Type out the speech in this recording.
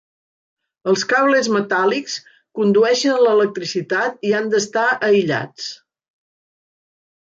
Els cables metàl·lics condueixen l'electricitat i han d'estar aïllats.